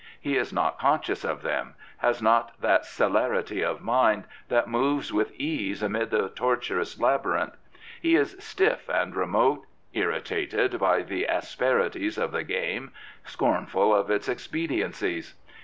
He is not conscious ol them, has not that celerjty of mind that moves with ease amid the tortuous labyrintJi. He is stiff and remote, irritated by the asperities of the game, scornful of its expediencies.